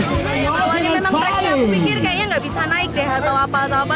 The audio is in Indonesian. awalnya memang tracknya aku pikir kayaknya nggak bisa naik deh atau apa atau apa